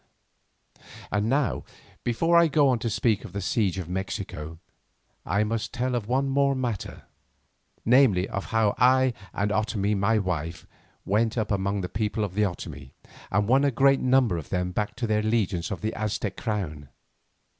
And now, before I go on to speak of the siege of Mexico, I must tell of one more matter, namely of how I and Otomie my wife went up among the people of the Otomie, and won a great number of them back to their allegiance to the Aztec crown.